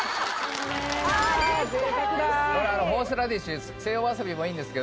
これホースラディッシュです